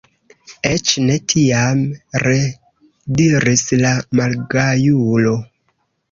Eĉ ne tiam, rediris la malgajulo.